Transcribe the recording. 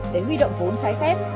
để quy động vốn trái phép